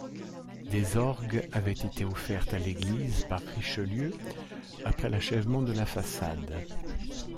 Des orgues avaient été offertes à l'église par Richelieu après l'achèvement de la façade.